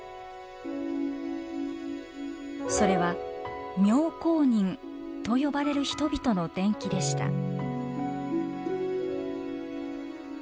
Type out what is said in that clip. それは「妙好人」と呼ばれる人々の伝記でした。